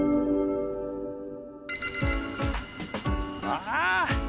ああ。